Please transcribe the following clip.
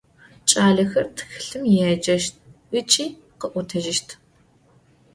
Ç'aler txılhım yêceşt ıç'i khı'otejışt.